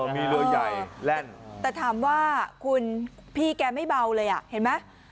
มีเรือใหญ่แล่นแต่ถามว่าคุณพี่แกไม่เบาเลยอ่ะเห็นไหม